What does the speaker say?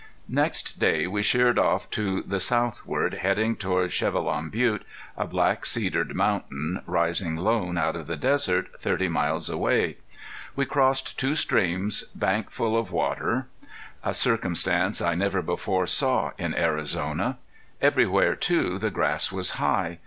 Next day we sheered off to the southward, heading toward Chevelon Butte, a black cedared mountain, rising lone out of the desert, thirty miles away. We crossed two streams bank full of water, a circumstance I never before saw in Arizona. Everywhere too the grass was high.